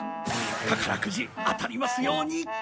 宝くじ当たりますように！